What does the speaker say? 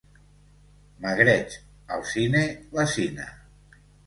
Magreig: al cine, la sina.